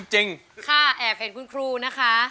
เพราะว่าข้าแอบเห็นคุณครูนะคะ